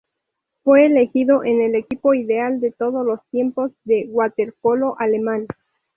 Fue elegido en el Equipo Ideal de todos los tiempos del Waterpolo Alemán.